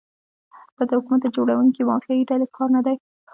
دا د حکومت د جوړونکي مافیایي ډلې کار نه دی.